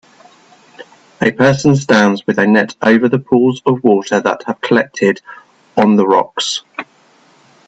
A person stands with a net over the pools of water that have collected on the rocks.